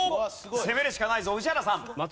攻めるしかないぞ宇治原さん。